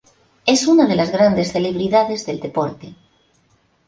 Es una de las grandes celebridades del deporte.